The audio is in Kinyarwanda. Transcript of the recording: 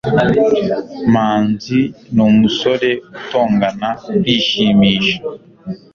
manzi numusore utongana kwishimisha.